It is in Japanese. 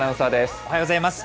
おはようございます。